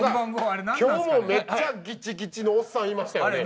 今日もめっちゃぎちぎちのおっさんいましたよね。